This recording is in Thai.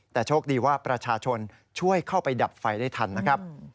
แต่โชคดีว่าประชาชนช่วยเข้าไปดับไฟได้ทันนะครับ